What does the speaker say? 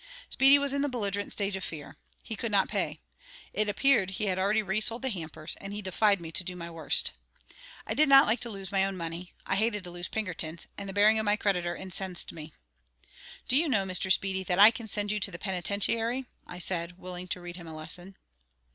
Speedy was in the belligerent stage of fear. He could not pay. It appeared he had already resold the hampers, and he defied me to do my worst. I did not like to lose my own money; I hated to lose Pinkerton's; and the bearing of my creditor incensed me. "Do you know, Mr. Speedy, that I can send you to the penitentiary?" said I, willing to read him a lesson.